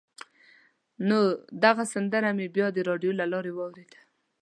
نو دغه سندره مې بیا د راډیو له لارې واورېده.